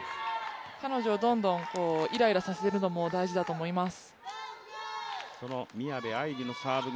彼女をどんどんイライラさせるのも大事だと思います。